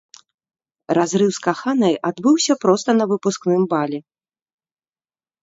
Разрыў з каханай адбыўся проста на выпускным балі.